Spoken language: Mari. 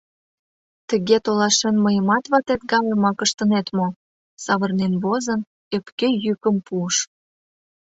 — Тыге толашен, мыйымат ватет гайымак ыштынет мо? — савырнен возын, ӧпке йӱкым пуыш.